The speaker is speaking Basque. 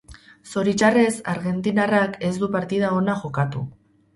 Zoritxarrez argentinarrak ez du partida ona jokatu.